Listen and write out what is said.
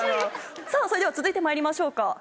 さぁそれでは続いてまいりましょうか。